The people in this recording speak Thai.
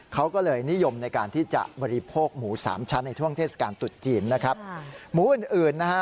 เขาก็เลยนิยมในการที่จะบริโภคหมูสามชั้นในช่วงเทศกาลตุดจีนนะครับหมูอื่นอื่นนะฮะ